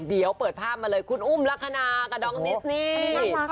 เดี๋ยวเปิดภาพมาเลยคุณอุ้มลักษณะกับน้องดิสนี่